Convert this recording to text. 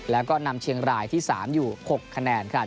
แล้วก็นำเชียงรายที่๓อยู่๖คะแนนครับ